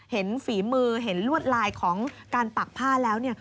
ฝีมือเห็นลวดลายของการปักผ้าแล้ว